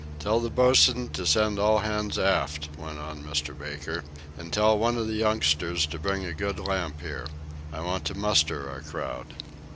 "Tell the boatswain to send all hands aft," went on Mr. Baker; "and tell one of the youngsters to bring a good lamp here. I want to muster our crowd."